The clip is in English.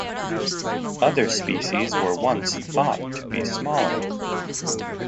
Other "species" were once thought to be smaller.